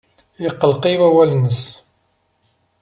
Iqelleq-iyi wawal-nnes.